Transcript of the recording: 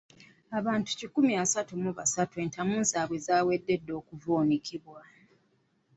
Abantu kikumi asatu mu ssatu entamu zaabwe zaawedde dda okuvuunikibwa.